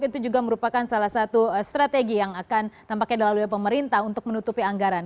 itu juga merupakan salah satu strategi yang akan tampaknya dilalui pemerintah untuk menutupi anggaran